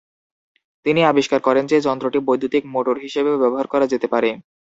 তিনি আবিষ্কার করেন যে, যন্ত্রটি বৈদ্যুতিক মোটর হিসেবেও ব্যবহার করা যেতে পারে।